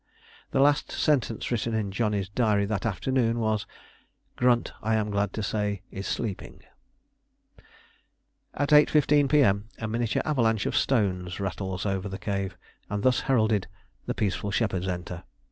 The last sentence written in Johnny's diary that afternoon was, "Grunt, I am glad to say, is sleeping." At 8.15 P.M. a miniature avalanche of stones rattles over the cave, and thus heralded, the peaceful shepherds enter.